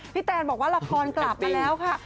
แตนบอกว่าละครกลับมาแล้วค่ะ